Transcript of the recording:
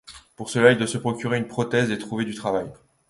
Pour cela, il doit se procurer une prothèse et trouver du travail.